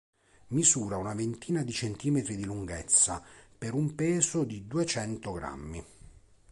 Misura una ventina di centimetri di lunghezza, per un peso di duecento grammi.